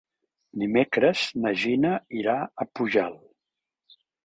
Dimecres na Gina irà a Pujalt.